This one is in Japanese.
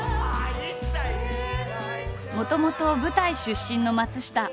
もともと舞台出身の松下。